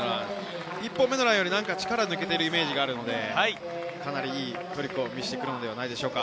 １本目のランより力が抜けている感じがあるので、いいトリックを見せてくれるんじゃないでしょうか。